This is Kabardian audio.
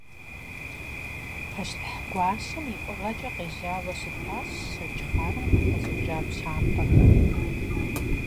Пащтыхь гуащэм и фӀыгъэкӀэ къежьауэ щытащ щэкӀ хъарым къыхэщӀыкӀа пщампӀэхэр.